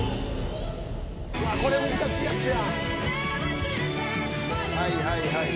これ難しいやつや。